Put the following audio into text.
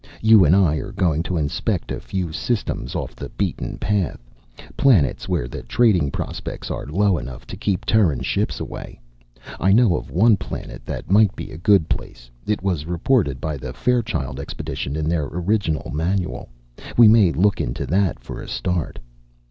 You and I are going to inspect a few systems off the beaten path, planets where the trading prospects are low enough to keep Terran ships away. I know of one planet that might be a good place. It was reported by the Fairchild Expedition in their original manual. We may look into that, for a start."